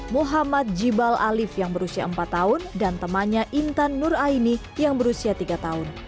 muhammad jibal alif yang berusia empat tahun dan temannya intan nur aini yang berusia tiga tahun